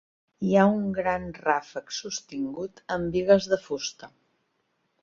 Hi ha un gran ràfec sostingut amb bigues de fusta.